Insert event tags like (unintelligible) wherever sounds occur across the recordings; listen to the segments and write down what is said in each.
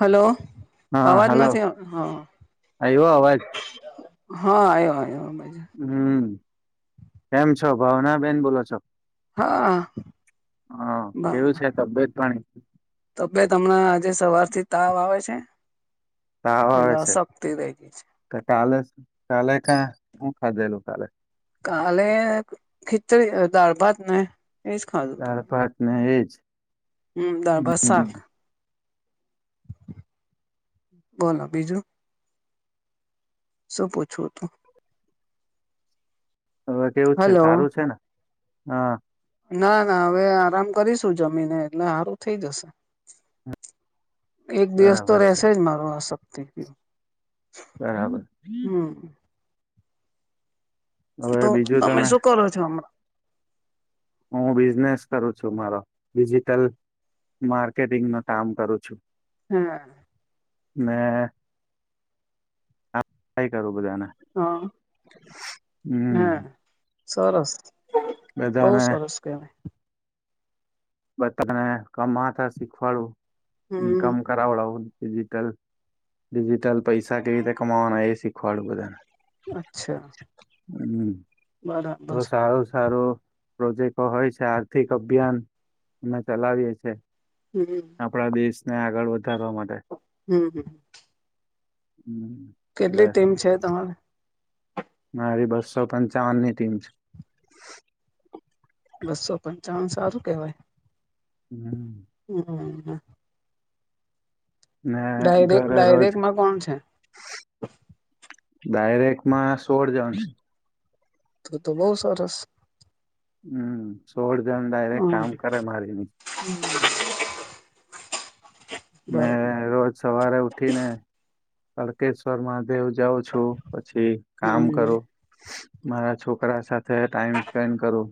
Hello હા અવાજ hello નથી આવતો હ. આવ્યો અવાજ હ આયવો (unintelligible) આયવો. (unintelligible) હમ્મ, કેમ છો? ભાવના બેેન બોલો છો? હા. હા કેવું છે તબિયત પાણી (inaudible) તો પે તમણા આજે સવારથી તાવ આવે છે? તાવ એને આવે છે. અશક્તિ રહી ગઈ છે તો કાલે કાલે ક્યા હજે (unintelligible) લોકોકાલે. (unintelligible) કાલે ખીચડી દાળબાત ને એજ દાળભાત ને એજ! હમ્મ દાળભાત શાક. હમ (unintelligible) બોલો બીજું. શું પૂછવું હતું? હવે કેવું છે? હલો સારું છે ને હા ના ના હવે આરામ કરીશું જમીને એટલે સારું થઈ જશે. હમ્મ. એક દિવસ તો રહેશે જ મારો આ શક્તિું. (unintelligible) બરાબર. હવે તો, બીજું તમે શું કરો છો હમણાં? હું બિઝનેસ કરું છું, મારો ડિજિટલ માર્કેટિંગમાં કામ કરું છું. હા. મે કઈ કરો બધાના હા હે હમ્મ સરસ બઉુ સરસ કેને બધા ને કમતા શીખવાડું હમ ઇન્કમ કરાવડાવું ડિજીટલ ડિજીટલ પૈસા કેવી રીતે કમાવાના એ સીખવાળું બધાને. અચ્છા હમ્મ, બરાબર તો સારું સારું પ્રોજેક્ટો હોય છે. આર્થિક અભિયાન અમે ચલાવીએ છીએ હમ આપણા દેશને આગળ વધારવા માટે. હમ હમ, એટલે કેટલી ટીમ છે? તમારે મારી બસો પંચાવનની ટીમ છે. બસો પંચાવન સારું કેવાય! હમ્મ. (inaudible) ને ડાયરેક્ટ ઘરે રોજ ડાયરેક્ટમાં કોણ છે ડાયરેક્ટમાં સોળ જણ તું તો બોવ સરસ હમ સોળ જણ ડાયરેક્ટ હમ કામ કરે મારી ન (inaudible) ને બરાબર રોજ સવારે ઉઠીને તળકેશ્વર મહાદેવ જાઉ છું પછી કામ હમ કરું મારા છોકરા સા થે ટાઈમ સ્પેન્ડ કરુ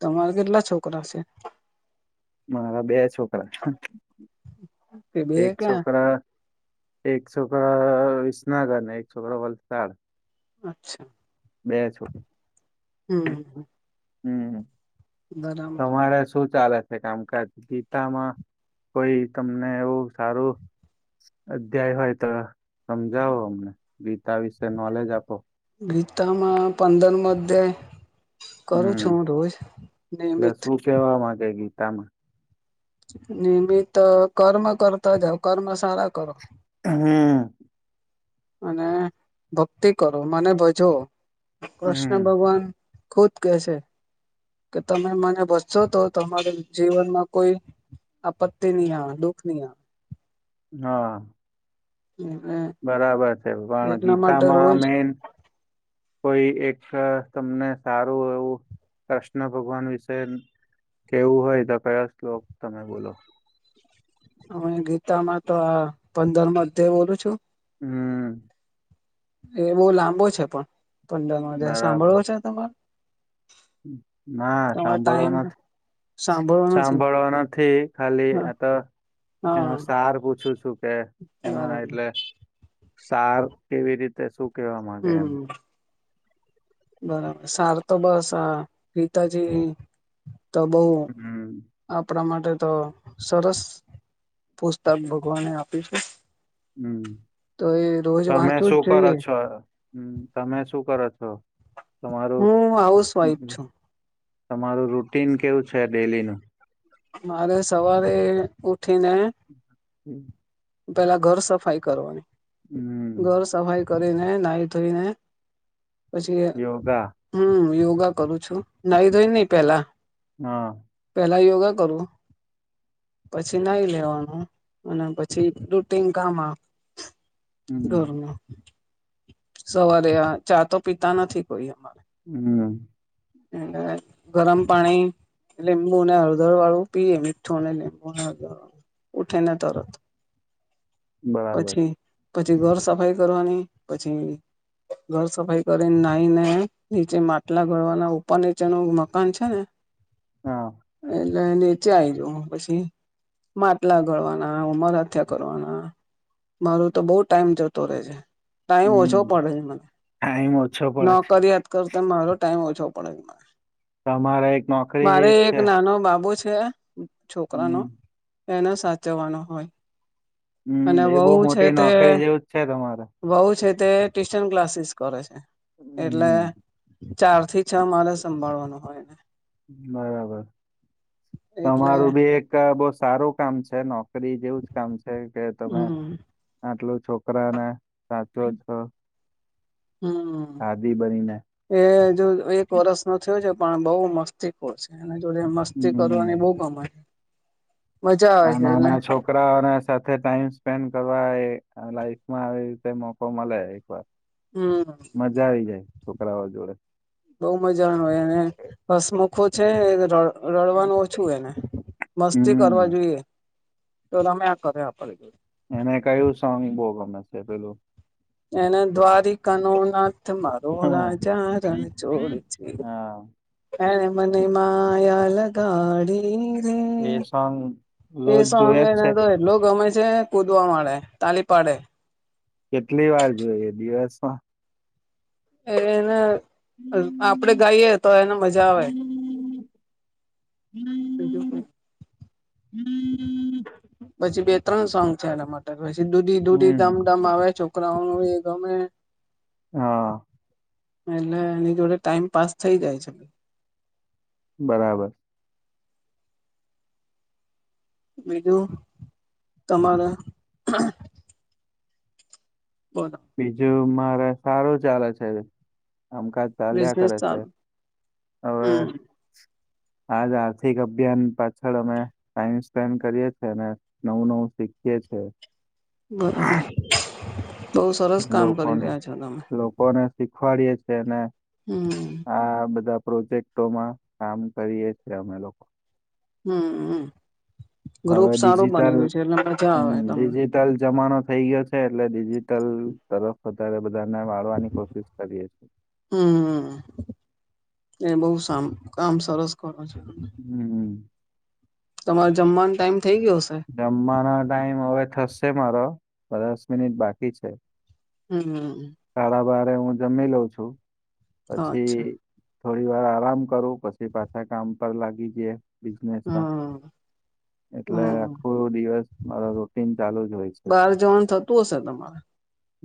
તમારે કેટલા છોકરા છે મારા બે છોકરા કે બે એક ક્યાં છોકર એક છોકડ વિસનગર એક છોકરો વલસાડ અચ્છા. બે છો હમ હમ બરાબર તમારે શું ચાલે છે, કામકાજ ગીતામાં કોઈ તમને એવું સારું અધ્યાય હોય તો સમજાવો અમને ગીતા વિશે નોલેજ આપો ગીતામાં પંદરમ અધયાય હમ એટલે નિયમિત શું કેવા માગે ગીતામાં? નિયતિત કર્મ કરતા જાવ કર્મ સારા કરો હમ. અને ભક્તિ કરો મને ભજવો કૃષ્ણ હમ ભગવાન ખુદ કેસે કે તમે મને બસશો તો તમારે જીવનમાં કોઈ આપત્તે ની આવે દુખ ની આવે હા. આવે બરાબર છે, પણ એટલા માટે ગીતામાં રોજ મેન કોઈ એક તમને સારું એવું કૃષ્ણ ભગવાન વિશે કેવું હોય તો કયા શ્લોક તમે બોલો? હુય ગીતામાં તો આ પંદર મધ્ય બોલું છું. હમ. એ બો લાંબો છે, પણ પંદરમો અધ્યાય બરાબર સાંભળવો છે તમાર? ના સાંભળવા ટાઈમ ન સાંભળવો નથી સાંભળવા નથી ખાલી હા આ ત એનો હા સાર પૂછું છું કે એમાં બરાબર એટલે સાર કેવી રીતે શું કેવા માંગે એમ હમ બરાબર સારતો બસ આ પિતાજી તો બઉ હમ આપણા મા ટે તો સરસ પુસ્તક ભગવાને આપી છે. હમ, તો એ રોજ તમે વાંચવું શું જ કરો જોઈએ છો? હમ, તમે શું કરો? છો. તમારું હું હાઉસવાઈફ છું. તમારું રૂટીન કેવું છે ડેલી નુ? મારે સવારે ઉ (inaudible) પેલા ઘર સફાઈ કરવાની હમ ઘર સફાઈ કરીને નાહી થોઈને પછી યોગા હમ યો ગા કરું છું નાઇ ધોઈ ની પેલા હા. પેલા યોગા કરું પછી નાઈ લેવાનું અને પછી રૂટીન કામા હમ ઘરમાં સવારે આ ચા તો પીતા નથી કોઈ અમા હમ (unintelligible) ગરમ પાણી લીંબુ ને હળદર વાળું પીએ મીઠુંને લીંબુને હળદર વાળું ઉઠીને તરત બરાબર પછી પછી ઘર સફાઈ કરવાની પછી ઘર સફાઈ કરીને નાઈ ને નીચે માટલા ગળવાના અને જેનુ મકાન છે ને હા એ એ નીચે આઈ જવ પછી માટલા ગળવાના ઉમરથયા કરવાના મારો તો બઉુ ટાઇમ જતો રહે છે. ટાઈમ હમ ઓછો પડે છે મન ટાઈમ ઓછો પડે નોકરીયાત કર મારો ટાઈમ ઓછો પડે છે મને તમારે એક નોકરી મારે જેવી જ એક છે નાનો બાબો છે છે છોકરાનો હમ એને સાચવવાનો હોય અને હમ એ બહુ વહુ છે મોટી તે નોકરી જેવું જ છે તમારે વહુ છે તે ટ્યુશન ક્લાસીસ કરે છે એટલે હમ ચાર થી ચા મારે સંભાળવાનું હોય. બરાબર એટલે તમારું બી એક બવ સારું કામ છે ન કરી જેવું જ કામ છે કે તમે હમ આટલું છોકરાને સાચો છો. દાદી બનીને હમ એ જો એક વરષ નો થયો છે. પણ બઉ મસ્તીખોર છે એના જોડે મસ્તી કરવાની હમ બવ ગમ. આ નાના છોકરાઓને સાથે ટાઈમ સ્પેન્ડ કરવા એ આ લાઈફમાં આવી રીતે મોકો મલે એક વાર હમ મજા આવી જાય. છોકરાઓ જોડે‌. બઉ મજા આવે અને હસમુખો છે એ ર રડવાનું ઓછું એને મસ્તી કરવા હમ જોઈએ. તો રમ્યા કરે આપડી જોડ. એને કયું સોંગ બહુ ગમે છે પેલું એને દ્વારિકનો ના રો રાજા રણ છોડ છે હા એણે મને માયા લ એ ગાડી સોંગ એ રોજ સંગ જોય જ એને છે તો એટલો ગમે છે કુદવા ે તલીિપાડે કેટલી વાર જોઈએ દિવસમાં એને આપડે ગાઈએ તો એને મજા આવે બીજું હમ કઈ હમ પછી બે ત્રણ સોંગ છે એના માટે પછી દૂધી દૂધી ધામધામ આવે છે ઉન એ તોમે હા એટલે એની જોડે ટાઈમ પાસ થઈ જાય છે બરાબર બીજું તમારે બોલો બીજું મારે સારું ચાલે છે આમ કજ ચાલ્યા બિઝનેસ કરે છે ચાલુ હવે હમ આજ આર્થિક અભિયાન પાછળ અમે ટાઈમ સ્પેન્ડ કરીએ છેીએ અને નવું નવું શીખીએ છે બરાબર બહુ સરસ કામ કરી લોકોને રહ્યા છો તમે લોકોને શીખવાડીયે છે ને હમ આ બધા પ્રોજેક્ટોમાં કામ કરીએ છ છેએ અમે લોકો હા હા હવે, ડિજિટલ મજા હ આવે તમને ડિજિટલ જમાનો થઈ ગયો છે, એટલે ડિજિટલ તરફ અતારે બ વાળવાની કોશિશ, કરીએએ હમ એ બહુ સા કામ સરસ કરો છો. હમ તમારે જમવાનું ટાઈમ થઈ ગયો હશે જમવાનો ટાઈમ, હવે થશે મારો દસ મિનિટ બાકી છે. હમ્મ હુ જમી, લઉ છું અચ્છા પછી થોડી વાર આરામ કરુ પછી પાછા કામ પર લાગી જે બને હમ એટલે હમ થોડો દિવસ મારો રૂટીન ચાલુ જ હોય છે. બહાર જવાનું થતું હશે તમારે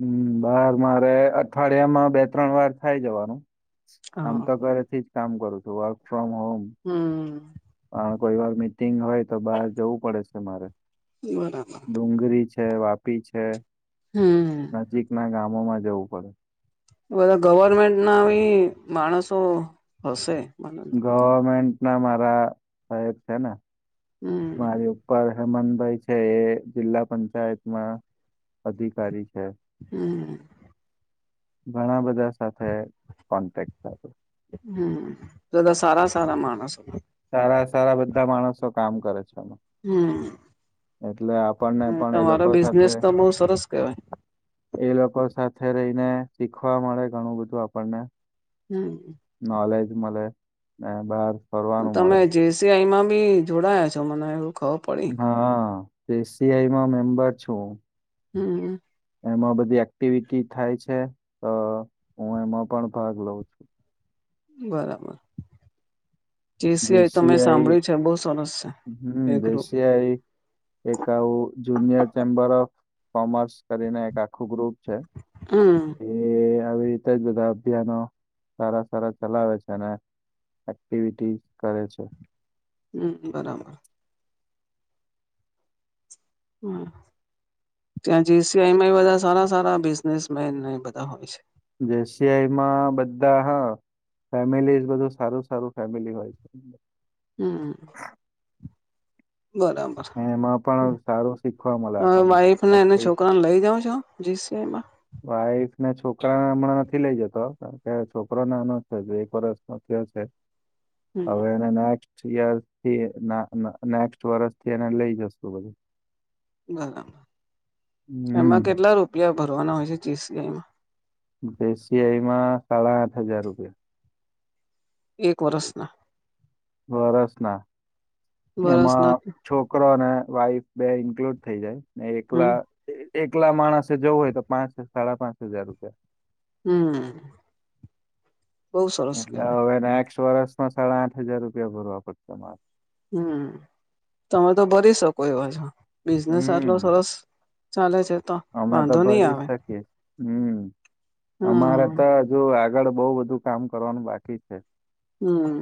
હમ, બાર મારે અઠવાડિયા માં બે ત્રણ વાર થાય જવાનુ આમ હા તો ઘરેથી જ કામ કરું છુ, વર્ક ફ્રોમ હોમ હમ પણ કોઈ વાર મીટિગ હોય. તો બહાર જવું પડે છે મારે બરાબર ડુંગરી છે. વાપી છે, હમ નજીકના ગામોમાં જવું પડે બધા ગવર્મેન્ટના બ માણસો હશે મને લાગે. ગવર્મેન્ટ ના મારા સહેગ છેને, હમ મારી ઉપર હેમનભાઈ છે, એ જિલ્લા પંચાયતમાં અધિકારી છે. હમ્મ ઘણા બધા સાથે, કોન્ટેક્ટ હમ, એદ સારા સારા માણસ સારા સારા બધા માણસો કામ કરે છે. આમાં હમ્મ એટલે આપણને, પણ એ લોકો સાથે તો બહુ સરસ કેવાય એ લોકો સાથે. સાથે રહીને, શીખવા મળે ઘણુ બધું આપણને હમ્મ મળ એ બાર તમે જેસીઆઈમા બી જોડાયા છો, મને એવું ખબર પડી હા, એસીઆઈમા મેમ્બર છુ. હમ્મ એમાં બધી એક્ટિવિટી થાય છે, તો હુ એમાં પણ ભાગ લઉ છુ. બરાબર જી સિવાય, તો મેમે જેસીઆઈ સાંભળ્યું છે, બહ સોનુ હમ દશિયાઈ, એક આવું જુનિયર ચેમ્બર ઓફ કોમર્સ કરીને એક આખું ગ્રુપ છે. હમ એ આવી રીતે જ બધા અભિયાનો સારા સારા ચલાવે છે, અને એક્ટિવિટીઝ કરે છે. હમ, બરાબર હમ્મ ત્યા જે સઆ બધા સારા સારા બિઝનેસમેન બધા હોય, છે. જે સઆઈમા બધા હા ફેમિલી બધું સારુ સારુ ફેમિલી હોય છે. હમ્મ બરાબર ને એમાં પણ સારું શીખવા મળે તમે આપણને. વાઈફને એને એક્ટિવિટી છોકરાને લઈ જાાવ છો જી. સેમા વાઈફ ને છોકરા હમણા નથી, લઇ જતો કે છોકરો ના ન એક વરષ હમ હવે એને થીને વર્ષથી એને લઈ જશુ. બરાબર એમા હમ્મ કેટલા રૂપિયા ભરવાના હોય છે, ચી સઈમા દેશિયાઈમાં સાડા આઠ હજાર રૂપિયા એક વરસ ના વરસના. વરસના એમાં છોકરો ને વાઈફ બે ઇન્ક્લુડ થઈ જાય, ને હમ એકલા એકલા માણસે જવું હોય, તો પાંચ સાડા પાંચ હજાર રૂપિયા. હમ. બહુ સરસ એટલે કેવાય હવે નેક્સ્ટ વરસમાં સાડા આઠ હજાર રૂપિયા ભરવા પડશે તમારે. હમ, તમે તો ભરી શકો એવા છો. બિઝનેસ આટલો હમ સરસ ચાલે છે તો અમે તો વાંધો નહી ભરી આવે શકીએ. અમારે હમ તો હજુ આ આગળ બઉ બધું કામ કરવાનું બાકી છે. હમ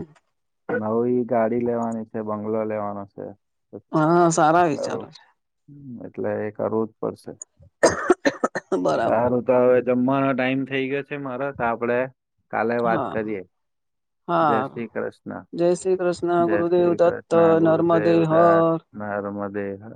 નવી ગાડી લેવાની છે, બંગલો લેવાનો છે. હા, સારા વિચારો સારું છે. એટલે એ કરવું જ પડશે. છે બરાબર સારું તો હવે જમવાનો ટાઈમ થઇ ગયો છે મારે, તો આપડે કાલે વાત હા કરીએ. જે હા શ્રી કૃષ્ણ. જય શ્રી કૃષ્ણ જે ગુરુદેવ શ્રી દત્ત કૃષ્ણ નર્મદે ગુરુદેવદત્ત. હર નર્મદે હર.